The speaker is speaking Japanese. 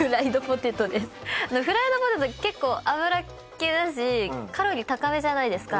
フライドポテト結構油っ気だしカロリー高めじゃないですか。